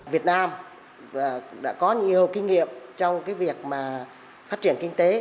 việt nam đã có nhiều kinh nghiệm trong cái việc mà phát triển kinh tế